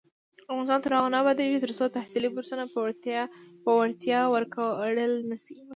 افغانستان تر هغو نه ابادیږي، ترڅو تحصیلي بورسونه په وړتیا ورکړل نشي.